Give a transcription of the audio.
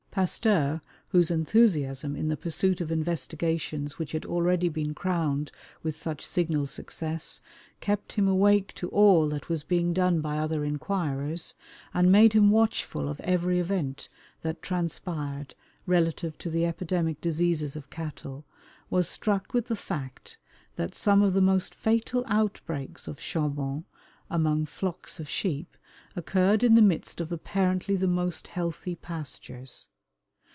Pasteur, whose enthusiasm in the pursuit of investigations which had already been crowned with such signal success kept him awake to all that was being done by other inquirers, and made him watchful of every event that transpired relative to the epidemic diseases of cattle, was struck with the fact that some of the most fatal outbreaks of "charbon" among flocks of sheep occurred in the midst of apparently the most healthy pastures.